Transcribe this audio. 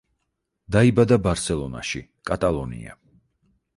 დაიბადა ბარსელონაში, კატალონია.